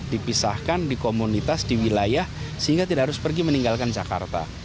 dipisahkan di komunitas di wilayah sehingga tidak harus pergi meninggalkan jakarta